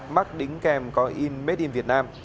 mắc đính kèm có in made in vietnam